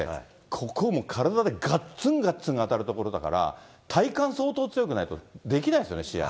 ここ、体でがっつんがっつん当たるところだから、体幹、相当強くないとできないですよね、試合。